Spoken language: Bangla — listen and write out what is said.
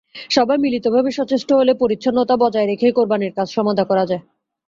সবাই মিলিতভাবে সচেষ্ট হলে পরিচ্ছন্নতা বজায় রেখেই কোরবানির কাজ সমাধা করা যায়।